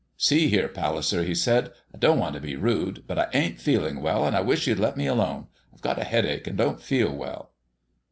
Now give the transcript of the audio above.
"See here, Palliser," he said, "I don't want to be rude, but I ain't feeling well, and I wish you'd let me alone. I've got a headache, and don't feel well."